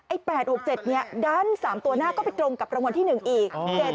๘๖๗เนี่ยด้าน๓ตัวหน้าก็ไปตรงกับรางวัลที่๑อีก